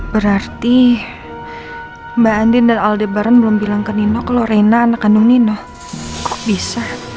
berarti mbak andin dan aldebaran belum bilang ke nino kalau reina anak kandung nino bisa